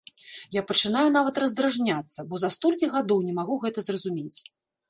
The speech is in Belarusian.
Я пачынаю нават раздражняцца, бо за столькі гадоў не магу гэта зразумець.